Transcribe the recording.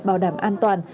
bảo đảm an toàn